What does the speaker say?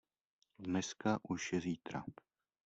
Dneska už je zítra.